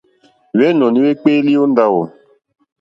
Hwɛ́nɔ̀ní hwékpéélì ó ndáwò.